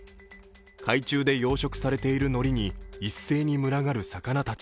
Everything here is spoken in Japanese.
海中で養殖されているのりに一斉に群がる魚たち。